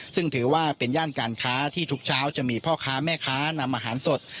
ซึ่งถือว่าเป็นย่านการค้าที่ทุกเช้าจะมีพ่อค้าแม่ค้านำอาหารสด